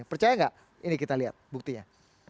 percaya nggak ini kita lihat buktinya